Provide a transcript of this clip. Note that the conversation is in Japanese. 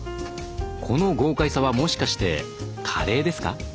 この豪快さはもしかしてカレーですか？